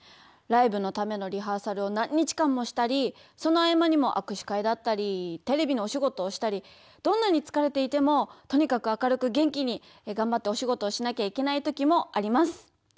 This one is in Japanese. ライブのためのリハーサルを何日間もしたりその合間にも握手会だったりテレビのお仕事をしたりどんなにつかれていてもとにかく明るく元気にがんばってお仕事をしなきゃいけない時もあります。